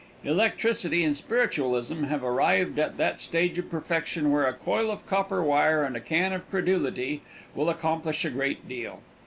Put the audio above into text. Electricity and spiritualism have arrived at that stage of perfection where a coil of copper wire and a can of credulity will accomplish a great deal.